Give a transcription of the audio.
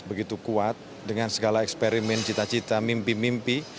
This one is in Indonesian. begitu kuat dengan segala eksperimen cita cita mimpi mimpi